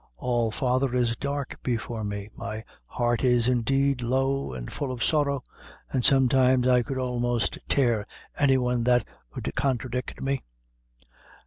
All, father, is dark before me my heart is, indeed, low an' full of sorrow; an' sometimes I could a'most tear any one that 'ud contradict me.